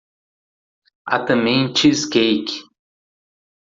Há também cheesecake